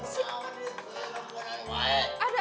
si awan dia dia dia dia dia dia